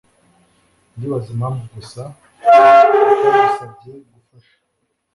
Ndibaza impamvu gusa atadusabye gufasha.